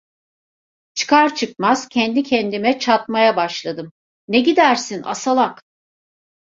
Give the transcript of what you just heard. Çıkar çıkmaz kendi kendime çatmaya başladım: "Ne gidersin a salak!"